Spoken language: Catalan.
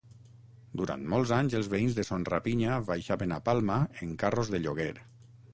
Durant molts anys els veïns de Son Rapinya baixaven a Palma en carros de lloguer.